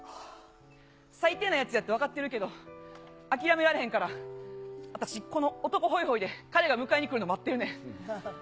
最低なやつやって分かってるけど、諦められへんから、私この男ホイホイで彼が迎えに来るの待ってんねん。